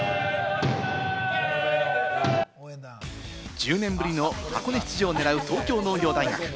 １０年ぶりの箱根出場を狙う東京農業大学。